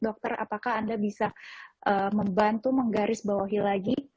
dokter apakah anda bisa membantu menggaris bawahi lagi